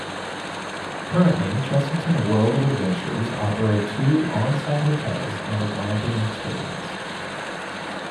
Currently, Chessington World of Adventures operate two on-site hotels and a Glamping experience.